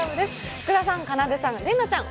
福田さん、かなでちゃん、麗菜ちゃん